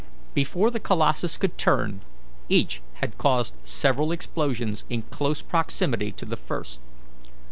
Before the colossus could turn, each had caused several explosions in close proximity to the first.